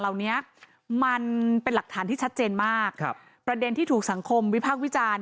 เหล่านี้มันเป็นหลักฐานที่ชัดเจนมากครับประเด็นที่ถูกสังคมวิพากษ์วิจารณ์